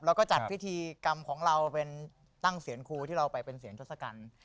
จัดพิธีกรรมของเราเป็นตั้งเสียงครูที่เราไปเป็นเสียงทศกัณฐ์